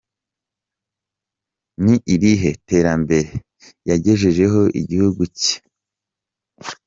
Ni irihe terambere yagejejeho igihugu cye?